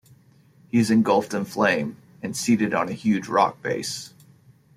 He is engulfed in flame, and seated on a huge rock base.